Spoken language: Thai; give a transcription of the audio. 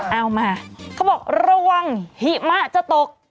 เอามาเขาบอกระวังหิมะจะตก